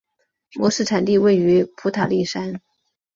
模式产地位于普塔里山。